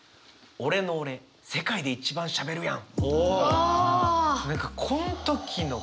俺の俺世界で一番しゃべるやん。